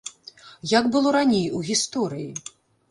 Як было раней, у гісторыі?